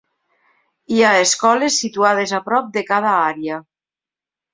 Hi ha escoles situades a prop de cada àrea.